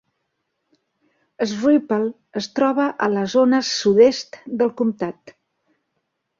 Schroeppel es troba a la zona sud-est del comtat.